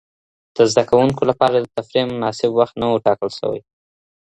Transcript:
د زده کوونکو لپاره د تفریح مناسب وخت نه و ټاکل سوی.